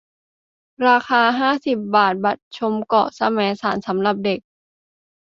ราคา ห้าสิบ บาท บัตรชมเกาะแสมสารสำหรับเด็ก